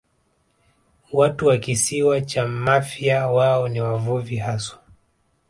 Watu wa Kisiwa cha Mafia wao ni wavuvi haswa